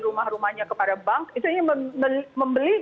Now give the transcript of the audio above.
rumah rumahnya kepada bank itu ingin membeli